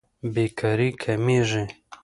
بېکاري کمېږي.